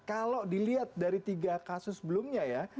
kalau dilihat dari tiga kasus sebelumnya ya